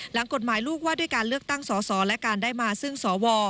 หลังกฎหมายลูกว่าด้วยการเลือกตั้งสอสอและการได้มาซึ่งสว